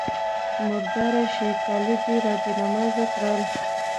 _مرداره شې! کالي دې را بې نمازه کړل.